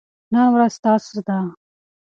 نن ورځ ستاسو ده.